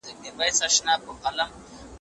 د پخوانیو خلګو تعبیرونه شاعرانه وو.